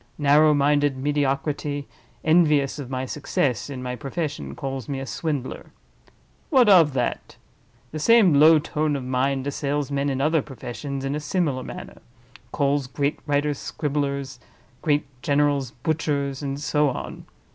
Narrow minded mediocrity, envious of my success in my profession, calls me a Swindler. What of that? The same low tone of mind assails men in other professions in a similar manner—calls great writers scribblers—great generals, butchers—and so on.